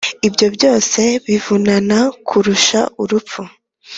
ibyo byose bivunana kurusha urupfu!